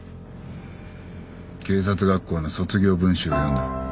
警察学校の卒業文集を読んだ。